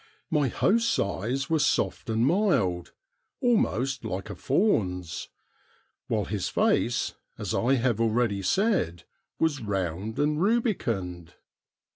My host's eyes were soft and mild, almost like a fawn's ; while his face, as I have already said, was round and rubicund.